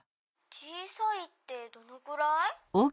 「小さいってどのくらい？」。